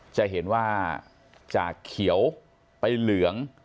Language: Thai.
จะเห็นว่าจากเขียวไปเหลือง